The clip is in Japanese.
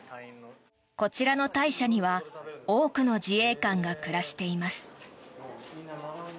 こちらの隊舎には多くの自衛官が暮らしています。